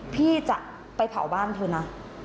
พี่จะไปเผาบ้านเธอนะ